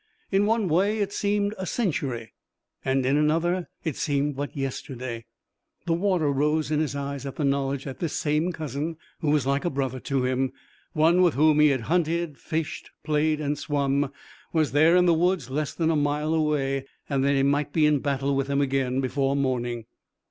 In one way it seemed a century, and in another it seemed but yesterday. The water rose in his eyes at the knowledge that this same cousin who was like a brother to him, one with whom he had hunted, fished, played and swum, was there in the woods less than a mile away, and that he might be in battle with him again before morning.